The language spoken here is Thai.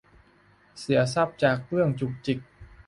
เสียทรัพย์จากเรื่องจุกจิก